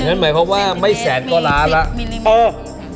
เอั้ะนี่มันหมายความว่าไม่แสนกว่าล้านละโอ๊ะ